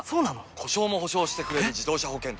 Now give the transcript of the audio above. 故障も補償してくれる自動車保険といえば？